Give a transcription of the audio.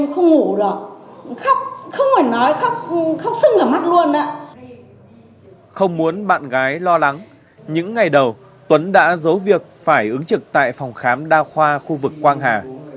không muốn bạn gái lo lắng những ngày đầu tuấn đã giấu việc phải ứng trực tại phòng khám đa khoa khu vực quang hà